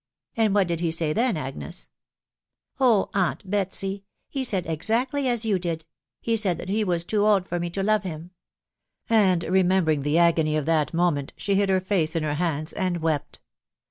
... And what did he say then, Agnes ?"" Oh ! aunt Betsy !... he said exactly as you did .... he said that he was too old for me to love him ;...." and, re membering the agony of that moment, she hid her face in her hands and wept.